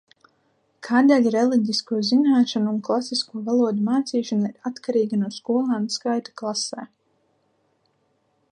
Kādēļ reliģisko zināšanu un klasisko valodu mācīšana ir atkarīga no skolēnu skaita klasē?